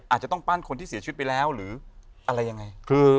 อาจจะต้องปั้นคนที่เสียชีวิตไปแล้วหรืออะไรยังไง